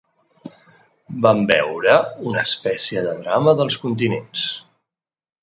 Van veure una especie de drama dels continents.